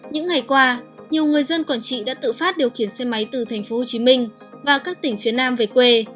những ngày qua nhiều người dân quảng trị đã tự phát điều khiển xe máy từ tp hcm và các tỉnh phía nam về quê